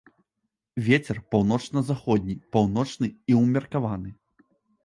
Вецер паўночна-заходні, паўночны і ўмеркаваны.